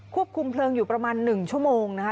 ควบคุมเพลิงอยู่ประมาณ๑ชั่วโมงนะคะ